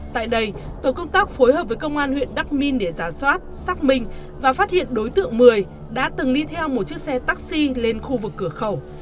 tại đây tổ công tác phối hợp với công an huyện đắc minh để giả soát xác minh và phát hiện đối tượng mười đã từng đi theo một chiếc xe taxi lên khu vực cửa khẩu